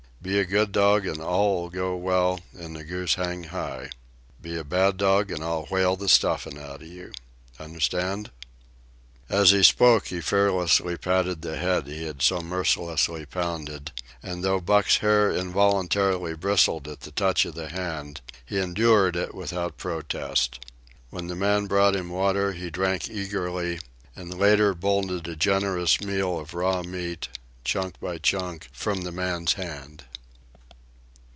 Be a good dog and all 'll go well and the goose hang high. Be a bad dog, and I'll whale the stuffin' outa you. Understand?" As he spoke he fearlessly patted the head he had so mercilessly pounded, and though Buck's hair involuntarily bristled at touch of the hand, he endured it without protest. When the man brought him water he drank eagerly, and later bolted a generous meal of raw meat, chunk by chunk, from the man's hand.